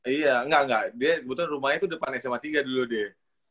iya enggak enggak dia kebetulan rumahnya itu depan sma tiga dulu deh